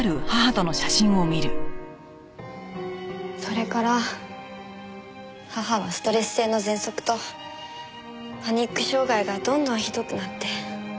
それから母はストレス性のぜんそくとパニック障害がどんどんひどくなって。